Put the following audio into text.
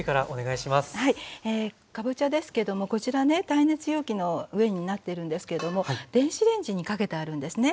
かぼちゃですけどもこちらね耐熱容器の上になってるんですけども電子レンジにかけてあるんですね。